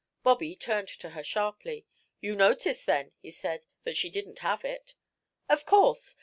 Bobby turned to her sharply. "You noticed, then," he said, "that she didn't have it?" "Of course.